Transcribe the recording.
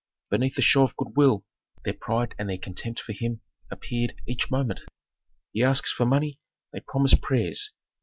Beneath the show of good will, their pride and their contempt for him appeared each moment. He asks for money, they promise prayers.